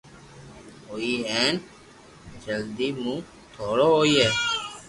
ھوئي ھين جلدو مون ئورو ھوئي